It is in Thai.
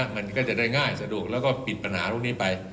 มันก็จะได้ง่ายสะดวกแล้วก็ปิดปัญหาพวกนี้ไป